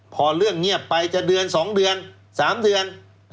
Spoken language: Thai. พอเรื่องเงียบไปจะเดือน๒เดือน๓เดือน